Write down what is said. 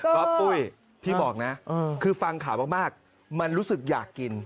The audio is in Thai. ก็ปุ้ยพี่บอกนะคือฟังข่าวมากมันรู้สึกอยากกิน